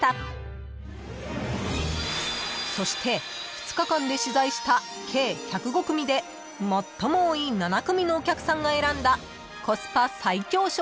［そして２日間で取材した計１０５組で最も多い７組のお客さんが選んだコスパ最強商品第１位は］